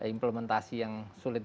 implementasi yang sulit